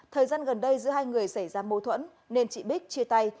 thời gian gần đây giữa hai người xảy ra mâu thuẫn nên chị bích chia tay